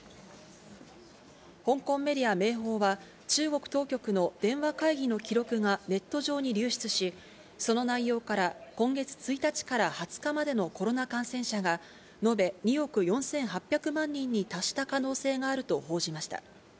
香港メディア、明報は、中国当局の電話会議の記録がネット上に流出し、その内容から、今月１日から２０日までのコロナ感染者が、述べ２億４８００万人に達した可能性があると報じました。